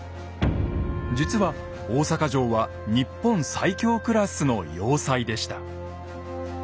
実は大坂城は日本最強クラスの要塞でした。